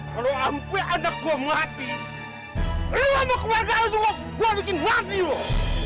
kalo ampe anak gue mati lu mau ke warga anjing gue bikin mati loh